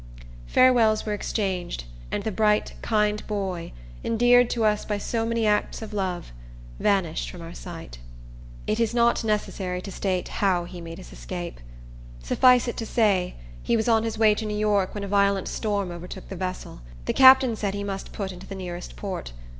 Farewells were exchanged, and the bright, kind boy, endeared to us by so many acts of love, vanished from our sight. It is not necessary to state how he made his escape. Suffice it to say, he was on his way to New York when a violent storm overtook the vessel. The captain said he must put into the nearest port.